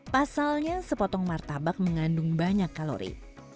pasalnya sepotong martabak mengandung banyak kalori